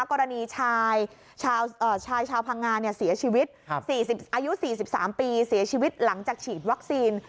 กรณีชายชาวพังงาเสียชีวิตอายุ๔๓ปีเสียชีวิตหลังจากฉีดวัคซีน